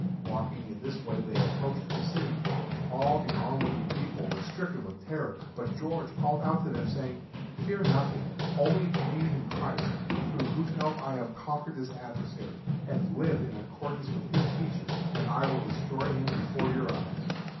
Walking in this way they approached the city. All the onlooking people were stricken with terror, but George called out to them saying, "Fear nothing. Only believe in Christ, through whose help I have conquered this adversary, and live in accord with His teachings, and I will destroy him before your eyes."